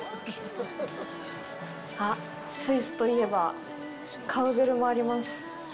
あっ、スイスといえば、カウベルもあります。